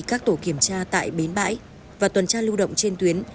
các tổ kiểm tra tại bến bãi và tuần tra lưu động trên tuyến